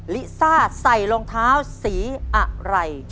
ลิซ่าใส่รองเท้าสีอะไร